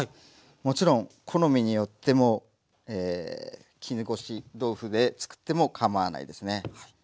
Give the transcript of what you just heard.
もちろん好みによっても絹ごし豆腐でつくっても構わないですね。